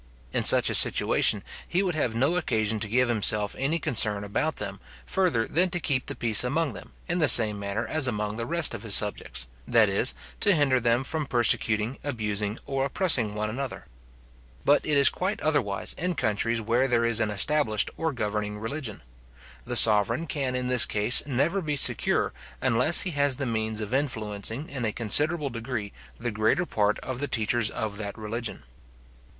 In such a situation, he would have no occasion to give himself any concern about them, further than to keep the peace among them, in the same manner as among the rest of his subjects, that is, to hinder them from persecuting, abusing, or oppressing one another. But it is quite otherwise in countries where there is an established or governing religion. The sovereign can in this case never be secure, unless he has the means of influencing in a considerable degree the greater part of the teachers of that religion.